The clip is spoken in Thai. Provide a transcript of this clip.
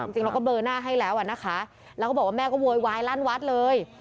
จริงเราก็เลอหน้าให้แล้วนะคะแล้วก็บอกว่าแม่ก็โวยวายลั่นวัดเลย